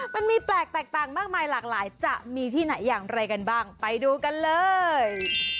มันมีแปลกแตกต่างมากมายหลากหลายจะมีที่ไหนอย่างไรกันบ้างไปดูกันเลย